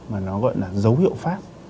mà nó gọi là dấu hiệu phát